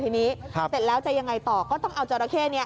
ทีนี้เสร็จแล้วจะยังไงต่อก็ต้องเอาจราเข้นี้